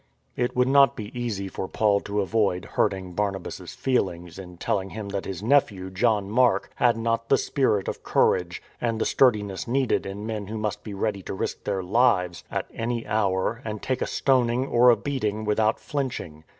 It would not be easy for Paul to avoid hurting Barnabas' feelings in telling him that his nephew, John Mark, had not the spirit of courage and the sturdiness needed in men who must be ready to risk their lives at any hour and take a stoning or a beating without flinching.